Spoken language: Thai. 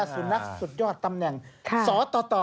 สุนนักสุดยอดตำแหน่งสตบูรณ์ต่อ